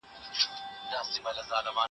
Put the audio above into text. کمپيوټر غلط پيغام ښيي.